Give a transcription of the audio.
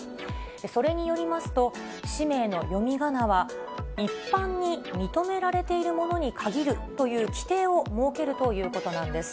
それによりますと、氏名の読みがなは、一般に認められているものに限るという規定を設けるということなんです。